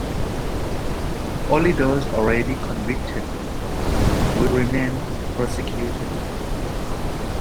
Only those already convicted would remain prosecuted.